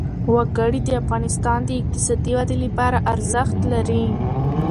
وګړي د افغانستان د اقتصادي ودې لپاره ارزښت لري.